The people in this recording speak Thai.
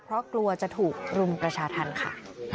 เพราะกลัวจะถูกรุมประชาธรรมค่ะ